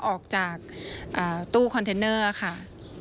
ออกจากตู้คอนเทนเนอร์ค่ะ